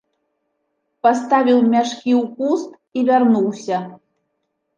Паставіў мяшкі ў куст і вярнуўся.